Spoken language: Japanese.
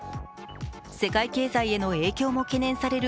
世界経済への影響も懸念される